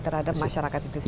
terhadap masyarakat itu sendiri